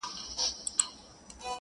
هوسۍ مخكي په ځغستا سوه ډېره تونده!!